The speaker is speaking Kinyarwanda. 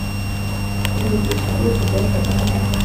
Kurimbisha byose byasaga nkaho